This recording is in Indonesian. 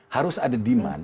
harus ada demand